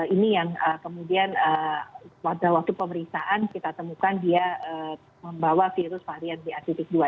ini yang kemudian pada waktu pemeriksaan kita temukan dia membawa virus varian ba dua